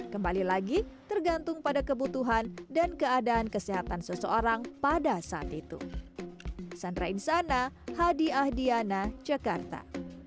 kembali lagi tergantung pada kebutuhan dan keadaan kesehatan seseorang pada saat itu